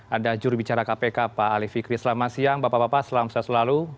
ada jurubicara kpk pak ali fikri selamat siang bapak bapak selamat siang selalu